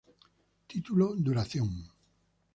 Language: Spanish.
Título Duración